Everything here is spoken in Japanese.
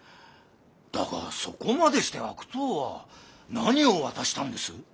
だがそこまでして悪党は何を渡したんです？